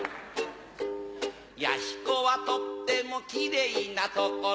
弥彦はとってもキレイな所